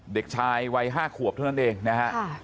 เด็กชายวัย๕ขวบเท่านั้นเองนะฮะ